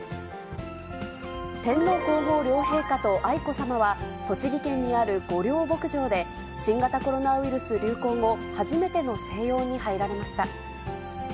天皇皇后両陛下と愛子さまは、栃木県にある御料牧場で、新型コロナウイルス流行後初めての静養に入られました。